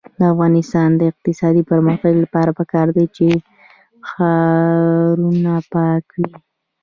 د افغانستان د اقتصادي پرمختګ لپاره پکار ده چې ښارونه پاک وي.